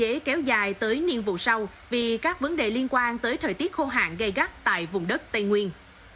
nguồn cung sẽ kéo dài tới niên vụ sau vì các vấn đề liên quan tới thời tiết khô hạn gây gắt tại vùng đất tây nguyên